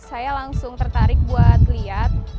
saya langsung tertarik buat lihat